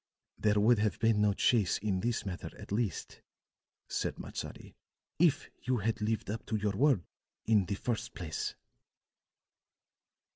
"There would have been no chase in this matter at least," said Matsadi, "if you had lived up to your word in the first place."